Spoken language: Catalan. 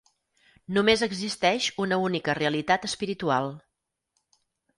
Només existeix una única realitat espiritual.